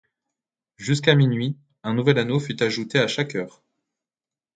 Jusqu'à minuit, un nouvel anneau fut ajouté à chaque heure.